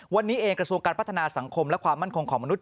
วันนี้เองกระทรวงการพัฒนาสังคมและความมั่นคงของมนุษย